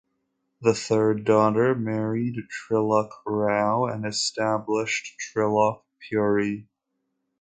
The third daughter married Trilok Rao and established Trilok Puri.